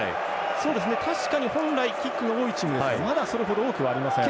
確かに、本来キックの多いチームですがまだそれほど多くはありません。